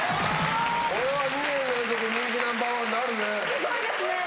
・すごいですね！